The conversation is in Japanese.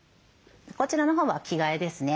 こちらのほうは着替えですね。